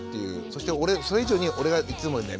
そして俺それ以上に俺がいつも眠いっていう。